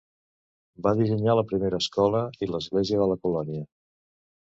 Va dissenyar la primera escola i l'església de la colònia.